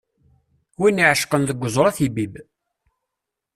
Win iεecqen deg uẓru ad t-ibbib.